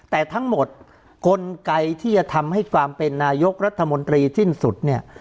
แต่ทั้งหมดกลไกที่จะทำให้ความเป็นนายกรัฐมนตรีสิ้นสุดเนี่ย